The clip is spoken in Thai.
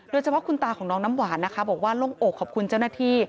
โดยเฉพาะคุณตาของน้องน้ำหวานนะคะบอกว่าโล่งอกขอบคุณเจ้าหน้าที่